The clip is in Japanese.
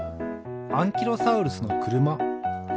アンキロサウルスのくるま。